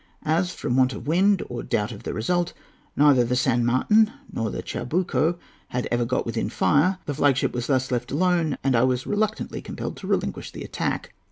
As, from want of wind, or doubt of the result, neither the San Martin nor the Chacabuco had ever got within fire, the flag ship was thus left alone, and I was reluctantly compelled to relinquish the attack.